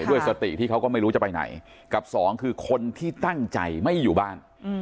ด้วยสติที่เขาก็ไม่รู้จะไปไหนกับสองคือคนที่ตั้งใจไม่อยู่บ้าน